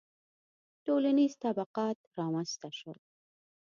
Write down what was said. • ټولنیز طبقات رامنځته شول.